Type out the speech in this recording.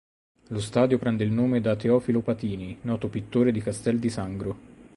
Lo stadio prende il nome da Teofilo Patini, noto pittore di Castel di Sangro.